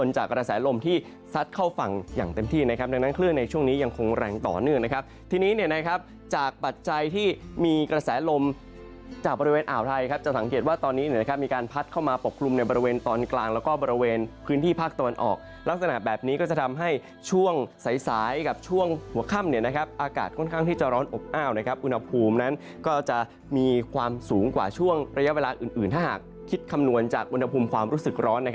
จะสังเกตว่าตอนนี้เนี่ยนะครับมีการพัดเข้ามาปกครุมในบริเวณตอนกลางแล้วก็บริเวณพื้นที่ภาคตอนออกลักษณะแบบนี้ก็จะทำให้ช่วงใสกับช่วงหัวข้ำเนี่ยนะครับอากาศค่อนข้างที่จะร้อนอบอ้าวนะครับอุณหภูมินั้นก็จะมีความสูงกว่าช่วงระยะเวลาอื่นถ้าหากคิดคำนวณจากอุณหภูมิความรู้สึ